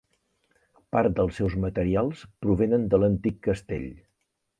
Part dels seus materials provenen de l'antic castell.